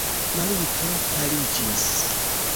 Maluto paliĝis.